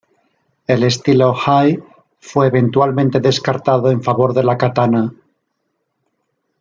El estilo "hi" fue eventualmente descartado en favor de la "katana".